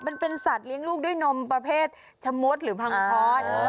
มันเป็นสัตว์เลี้ยงลูกด้วยนมประเภทชะมดหรือพังพร